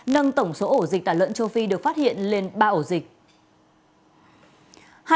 nâng tổng số ổ dịch tả lợn châu phi được phát hiện lên ba ổ dịch